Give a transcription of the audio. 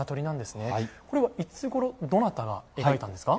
これはいつごろどなたが描かれたんですか。